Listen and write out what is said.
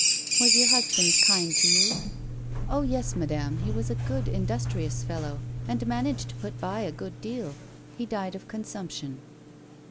" Was your husband kind to you 1 "" Oh yes, madame ; he was a good industrious fellow, and managed to put by a good deal. He died of consumption."